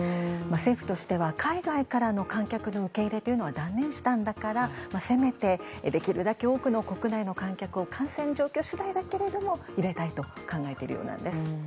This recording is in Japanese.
政府としては海外からの観客の受け入れは断念したんだからせめて、できるだけ多くの国内の観客を感染状況次第だけれども入れたいと考えているようです。